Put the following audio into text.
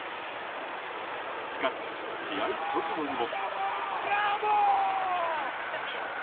しかし、試合直後にも。